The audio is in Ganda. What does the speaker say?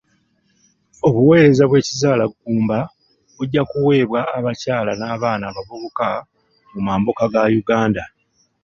Obuweereza bw'ekizaalaggumba bujja kuweebwa abakyala n'abaana abavubuka mu mambuka ga Uganda.